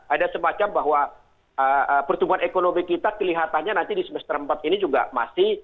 ada semacam bahwa pertumbuhan ekonomi kita kelihatannya nanti di semester empat ini juga masih